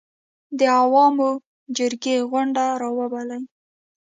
د عوامو جرګې غونډه راوبولي